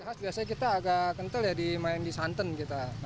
khususnya kita agak kental ya main di santan kita